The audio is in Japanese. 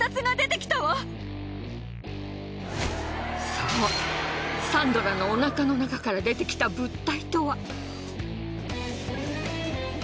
そうサンドラのお腹の中から出てきた物体とは。